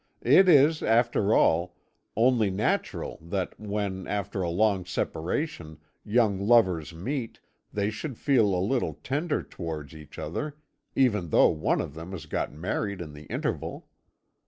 It is, after all, only natural that when, after a long separation, young lovers meet, they should feel a little tender towards each other, even though one of them has got married in the interval.